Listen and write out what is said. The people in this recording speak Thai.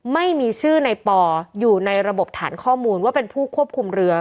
ไม่มีชื่อในปออยู่ในระบบฐานข้อมูลว่าเป็นผู้ควบคุมเรือ